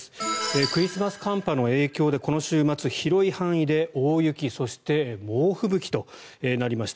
クリスマス寒波の影響でこの週末広い範囲で大雪そして猛吹雪となりました。